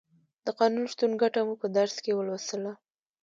د قانون شتون ګټه مو په درس کې ولوستله.